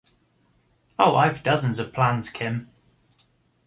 Oh, I’ve dozens of plans, Kim.